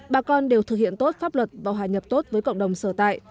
bà con đều thực hiện tốt pháp luật và hòa nhập tốt với cộng đồng sở tại